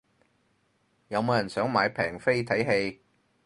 有冇人想買平飛睇戲